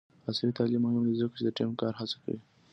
عصري تعلیم مهم دی ځکه چې د ټیم کار هڅوي.